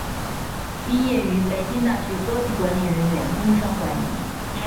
毕业于北京大学高级管理人员工商管理。